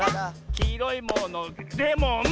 「きいろいものレモン！」